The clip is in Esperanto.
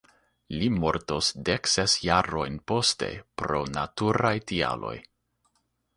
Li mortos dek ses jarojn poste pro naturaj tialoj.